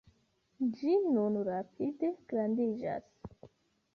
Ĝi nun rapide grandiĝas.